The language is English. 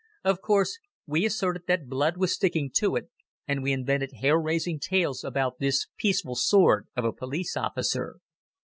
Of course we asserted that blood was sticking to it and we invented hair raising tales about this peaceful sword of a police officer.